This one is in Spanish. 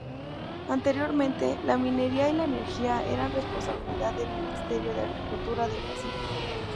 Anteriormente, la minería y la energía eran responsabilidad del Ministerio de Agricultura de Brasil.